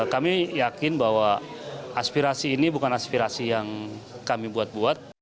kami yakin bahwa aspirasi ini bukan aspirasi yang kami buat buat